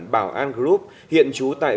bảo an group hiện trú tại